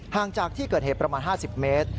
จากที่เกิดเหตุประมาณ๕๐เมตร